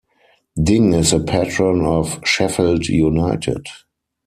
Ding is a patron of Sheffield United.